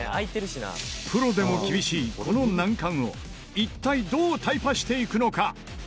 プロでも厳しいこの難関を一体どうタイパしていくのか？